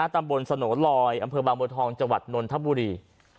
ตำบลสโนรอยอำเภอบางบนทองจวัตรนทบุรี